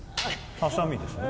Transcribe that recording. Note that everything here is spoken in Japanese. ハサミですね